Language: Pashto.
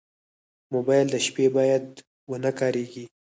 موبایل د شپې باید ونه کارېږي.